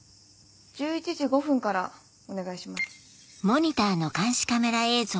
１１時５分からお願いします。